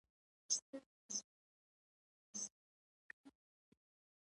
ستر ځمکوال زیان ونه کړي.